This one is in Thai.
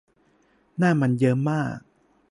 หน้ามันเยิ้มมาก